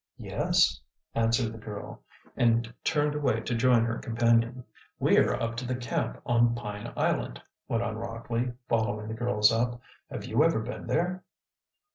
"Yes," answered the girl, and turned away to join her companion. "We are up to the camp on Pine Island," went on Rockley, following the girls up. "Have you ever been there?"